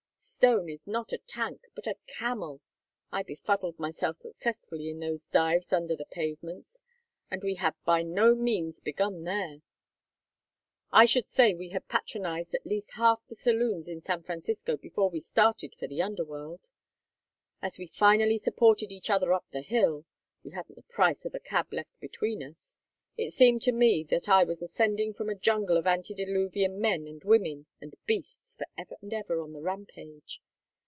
Stone is not a tank, but a camel. I befuddled myself successfully in those dives under the pavements and we had by no means begun there: I should say we had patronized at least half the saloons in San Francisco before we started for the underworld. As we finally supported each other up the hill we hadn't the price of a cab left between us it seemed to me that I was ascending from a jungle of antediluvian men and women and beasts for ever and ever on the rampage.